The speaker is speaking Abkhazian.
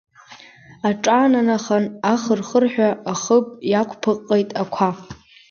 Аҿаанахан ахырхырҳәа, Ахыб иаақәпыҟҟеит ақәа.